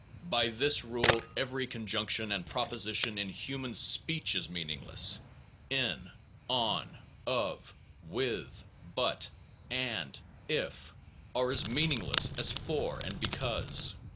By this rule every conjunction and preposition in human speech is meaning less in, on, of, with, but, and, if, are as meaningless as for, and because.